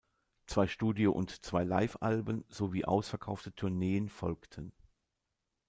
Zwei Studio- und zwei Livealben sowie ausverkaufte Tourneen folgten.